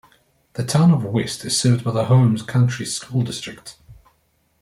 The town of West is served by the Holmes County School District.